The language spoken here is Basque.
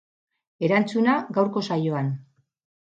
Erantzuna, gaurko saioan.